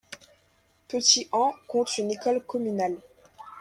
Petit-Han compte une école communale.